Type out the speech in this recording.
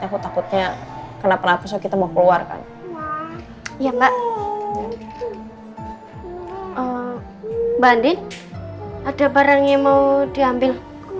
aku takutnya kenapa napa kita mau keluarkan ya mbak banding ada barangnya mau diambil